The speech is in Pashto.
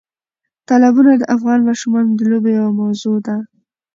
تالابونه د افغان ماشومانو د لوبو یوه موضوع ده.